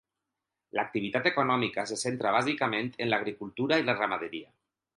L'activitat econòmica se centra bàsicament en l'agricultura i la ramaderia.